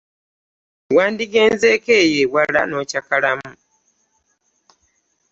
Wandigenzeeko eyo ewala n'okyakalamu.